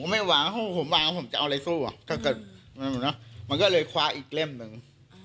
ไม่วางผมมั้งผมจะเอาใครสู้มันก็เลยคว้าอีกเล่มนึง